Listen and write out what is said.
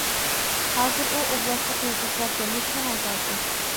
ھازىر ئۇ ئوبلاستلىق يازغۇچىلار جەمئىيىتىنىڭ ئەزاسى.